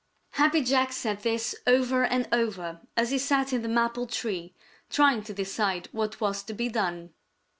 Happy Jack said this over and over as he sat in the maple tree, trying to decide what was to be done.